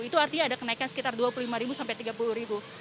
itu artinya ada kenaikan sekitar dua puluh lima sampai rp tiga puluh